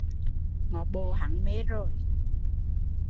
Ngó bộ hắn mê rồi